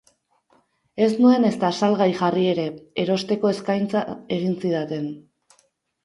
Ez nuen ezta salgai jarri ere, erosteko eskaintza egin zidaten.